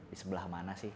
di sebelah mana sih